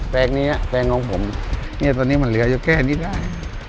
แปลงนี้แปลงของผมเนี่ยตอนนี้มันเหลืออยู่แค่นี้ได้